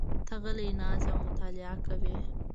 ته غلی ناست یې او مطالعه کوې.